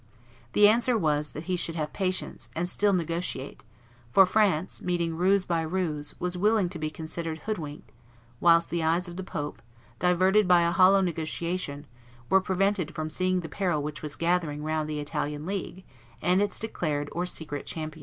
The answer was, that he should have patience, and still negotiate; for France, meeting ruse by ruse, was willing to be considered hoodwinked, whilst the eyes of the pope, diverted by a hollow negotiation, were prevented from seeing the peril which was gathering round the Italian league and its declared or secret champions.